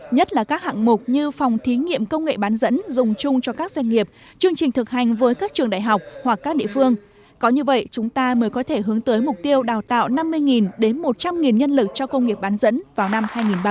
nhất là các hạng mục như phòng thí nghiệm công nghệ bán dẫn dùng chung cho các doanh nghiệp chương trình thực hành với các trường đại học hoặc các địa phương có như vậy chúng ta mới có thể hướng tới mục tiêu đào tạo năm mươi đến một trăm linh nhân lực cho công nghiệp bán dẫn vào năm hai nghìn ba mươi